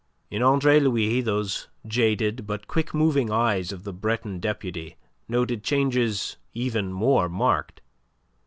In Andre Louis those jaded but quick moving eyes of the Breton deputy noted changes even more marked.